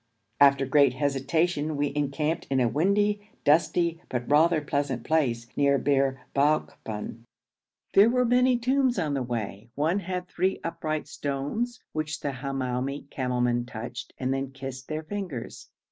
After great hesitation we encamped in a windy, dusty, but rather pleasant place near Bir Baokban. There were many tombs on the way. One had three upright stones, which the Hamoumi camel men touched, and then kissed their fingers.